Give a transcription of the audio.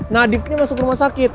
nadifnya masuk rumah sakit